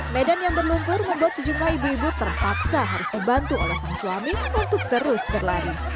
medan yang berlumpur membuat sejumlah ibu ibu terpaksa harus dibantu oleh sang suami untuk terus berlari